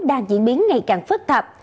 đang diễn biến ngày càng phức tạp